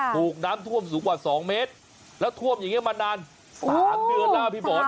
ถูกน้ำท่วมสูงกว่า๒เมตรแล้วท่วมอย่างนี้มานาน๓เดือนแล้วพี่บอส